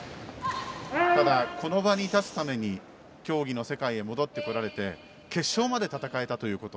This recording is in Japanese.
ただ、この場に立つために競技の世界に戻ってこられて決勝まで戦えたということ。